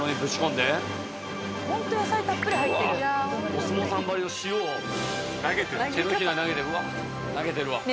お相撲さんばりの塩を手のひらで投げてうわっ投げてるわ。